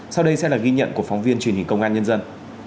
sau đây sẽ là ghi nhận của phóng viên truyền hình công an nhân dân